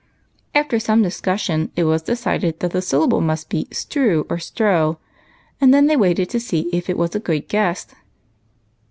After some discussion it was decided that the syl lable must be " strew or strow," and then they waited to see if it was a good guess.